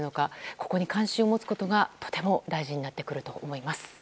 ここに関心を持つことがとても大事になってくると思います。